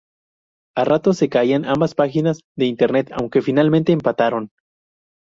A ratos se caían ambas páginas de internet, aunque finalmente empataron.